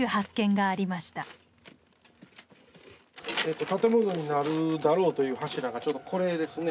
えと建物になるだろうという柱がちょうどこれですね。